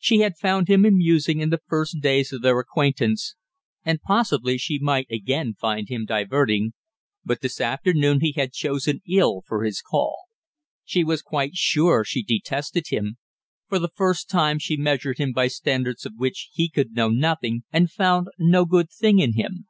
She had found him amusing in the first days of their acquaintance, and possibly she might again find him diverting, but this afternoon he had chosen ill for his call. She was quite sure she detested him. For the first time she measured him by standards of which he could know nothing, and found no good thing in him.